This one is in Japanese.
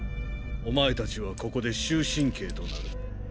お前たちはここで終身刑となる。